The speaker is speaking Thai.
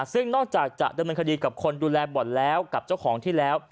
ซึ่งนอกจากจะดำเนินคดีกับคนดูแลบ่อนแล้วกับเจ้าของที่แล้ว